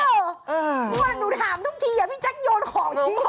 ตัวหนูถามทุกทีพี่จักรยนต์ห่อทิศ